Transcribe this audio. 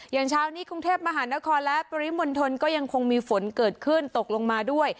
เช้านี้กรุงเทพมหานครและปริมณฑลก็ยังคงมีฝนเกิดขึ้นตกลงมาด้วย